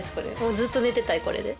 ずっと寝てたいこれで。